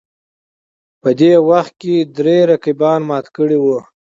په دې وخت کې درې رقیبان مات کړي وو